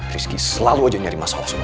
rizky selalu aja nyari masalah sama gue